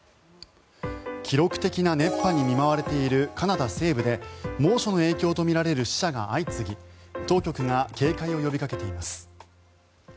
記録的な熱波に見舞われているカナダ西部で猛暑の影響とみられる死者が相次ぎ当局が警戒を呼びかけています。